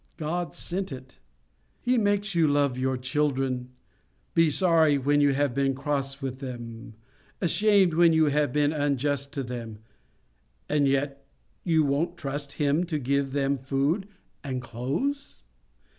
God sent it. He makes you love your children; be sorry when you have been cross with them; ashamed when you have been unjust to them; and yet you won't trust Him to give them food and clothes!